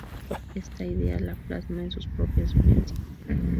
Esta idea la plasma en sus propias vivencias.